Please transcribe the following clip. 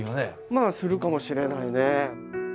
まあするかもしれないね。